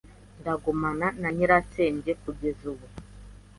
Ndagumana na nyirasenge kugeza ubu.